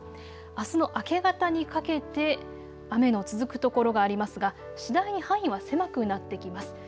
あすの明け方にかけて雨の続く所がありますが次第に範囲は狭くなってきます。